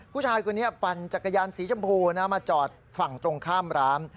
ผู้ชายคนนี้ปั่นจักรยานสีชมพูนะมาจอดฝั่งตรงข้ามร้าน